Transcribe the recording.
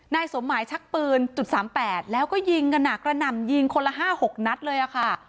นายสมหมายชักปืนจุดสามแปดแล้วก็ยิงกันหนักระหน่ำยิงคนละห้าหกนัดเลยค่ะ